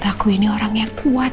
aku ini orang yang kuat